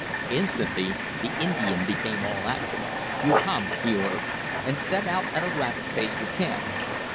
Instantly the Indian became all action. "You come," he ordered, and set out at a rapid pace for camp.